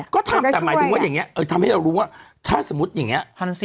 ก็ทำแต่หมายถึงว่าอย่างนี้ทำให้เรารู้ว่าถ้าสมมุติอย่างนี้